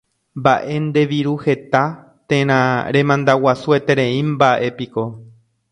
Mba'e nde viru heta térã remandaguasuetereímba'epiko.